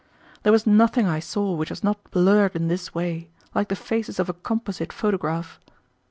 There was nothing I saw which was not blurred in this way, like the faces of a composite photograph.